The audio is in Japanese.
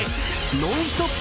ノンストップ！